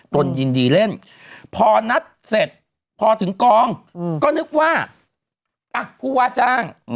ตนยินดีเล่นพอนัดเสร็จพอถึงกองก็นึกว่าผู้ว่าจ้าง